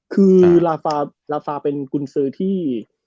คือราภาทราฟาเป็นกุนสื่อที่